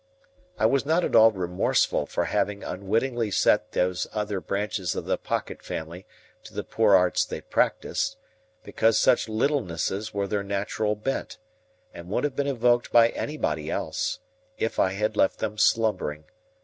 I was not at all remorseful for having unwittingly set those other branches of the Pocket family to the poor arts they practised; because such littlenesses were their natural bent, and would have been evoked by anybody else, if I had left them slumbering.